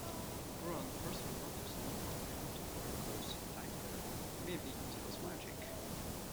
Brown also wrote a song for Agnetha Faltskog titled "Maybe It Was Magic".